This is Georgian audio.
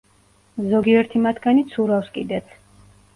ზოგიერთი მათგანი ცურავს კიდეც.